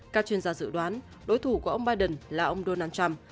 các chuyên gia dự đoán đối thủ của ông biden là ông donald trump